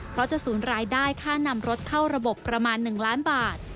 เพราะจะสูญรายได้ค่านำรถเข้าระบบประมาณ๑ล้านบาท